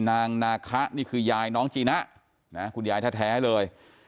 นางนาคะนี่คือยายน้องจีน่านะคุณยายแท้เลย